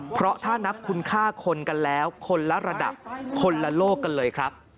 เพราะถ้านับคุณค่าคนกันแล้วคนละระดับคนละโลกกันเลยครับ